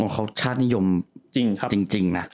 เขาชาตินิยมจริงนะ